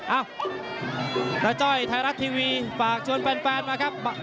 ตาจ้อยไทยรัฐทีวีฝากชวนแฟนมาครับ